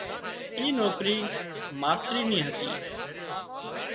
اي نوڪرِي ماسترِي نِي هتي